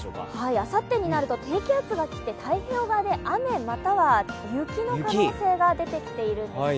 あさってになると低気圧が来て太平洋側で雨または雪の可能性が出てきているんです。